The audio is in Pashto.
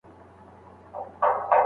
خپل بدن د پرمختګ لپاره وکاروئ.